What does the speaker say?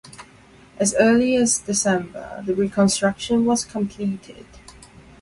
As early as December the reconstruction was completed.